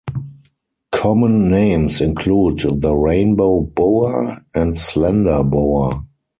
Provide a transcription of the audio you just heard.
Common names include the rainbow boa, and slender boa.